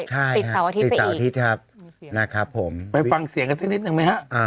ปิดเท่าที่ซ่าอาทิตย์ซะอีกถูกฟังสิ้นหน่อยไปฟังเสียงกันสินิดหนึ่งไหมฮะ